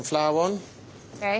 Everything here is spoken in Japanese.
はい。